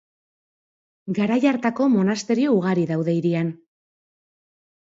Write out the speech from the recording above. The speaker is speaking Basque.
Garai hartako monasterio ugari daude hirian.